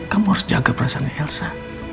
kamu harus jaga perasaannya elsa